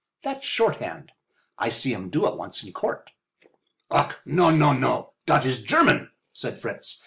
"That's shorthand. I see 'em do it once in court." "Ach, no, no, no—dot is German," said Fritz.